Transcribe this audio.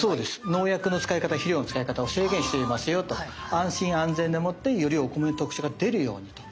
安心安全でもってよりお米の特徴が出るようにと。